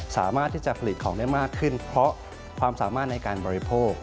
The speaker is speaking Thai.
สามารถที่จะผลิตของได้มากขึ้นเพราะความสามารถในการบริโภค